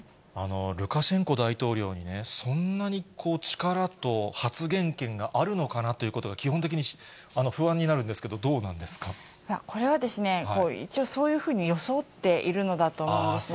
ルカシェンコ大統領にね、そんなに力と発言権があるのかなということが、基本的に不安になこれは一応、そういうふうに装っているのだと思うんですね。